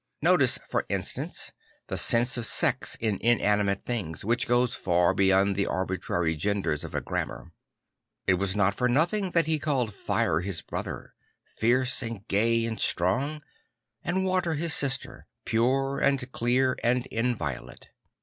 Notice, for instance, the sense of sex in inanimate things, which goes far beyond the arbitrary genders of a grammar It \vas not for nothing that he called fire his brother, fierce and gay and strong, and water his sister, pure and clear and inviolate.